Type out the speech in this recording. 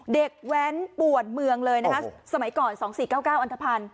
เด็กแว้นปวดเมืองเลยนะฮะสมัยก่อนสองสี่เก้าเก้าอันทภัณฑ์